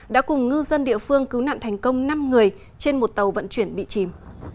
đã cùng ngư dân địa phương cứu nạn thành công năm người trên một tàu vận chuyển bị chìm